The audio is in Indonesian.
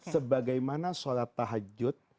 sebagaimana sholat tahajud